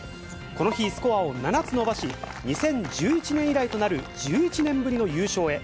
この日、スコアを７つ伸ばし、２０１１年以来となる１１年ぶりの優勝へ。